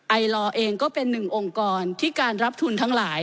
ไอลอร์เองก็เป็นหนึ่งองค์กรที่การรับทุนทั้งหลาย